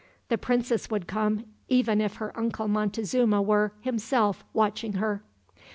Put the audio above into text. The princess would come, even if her uncle Montezuma were, himself, watching her."